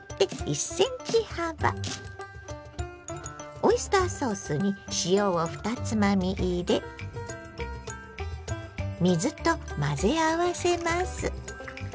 オイスターソースに塩を２つまみ入れ水と混ぜ合わせます。